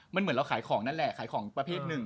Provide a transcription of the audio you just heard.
มันเหมือนเราขายของนั่นแหละขายของประเภทหนึ่ง